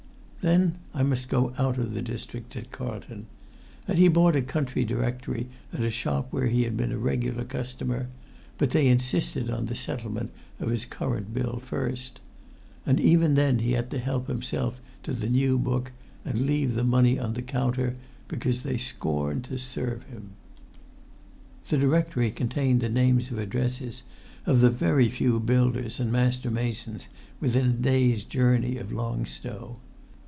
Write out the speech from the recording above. "Then I must go out of the district," said Carlton.[Pg 105] And he bought a county directory at a shop where he had been a regular customer; but they insisted on the settlement of his current bill first; and even then he had to help himself to the new book, and leave the money on the counter, because they scorned to serve him. The directory contained the names and addresses of the very few builders and master masons within a day's journey of Long Stow.